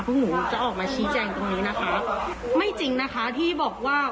หนูจะออกมาชี้แจงตรงนี้นะคะไม่จริงนะคะที่บอกว่า